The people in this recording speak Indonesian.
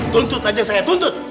tuntut aja saya tuntut